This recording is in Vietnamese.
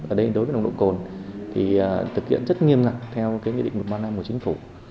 ở đây đối với nồng độ cồn thì thực hiện rất nghiêm ngặt theo nghị định một trăm ba mươi năm của chính phủ